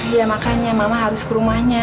ya makanya mama harus ke rumahnya